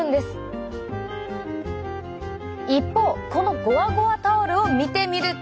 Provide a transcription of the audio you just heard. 一方このゴワゴワタオルを見てみると。